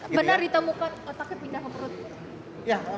benar ditemukan otaknya pindah ke perut